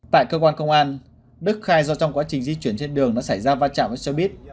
tại cơ quan công an đức khai do trong quá trình di chuyển trên đường đã xảy ra va chạm với xe buýt